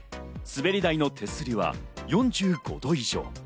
すべり台の手すりは４５度以上。